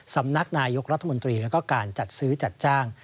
สำนักนายกรัฐมนตรีแล้วก็การจัดซื้อจัดจ้าง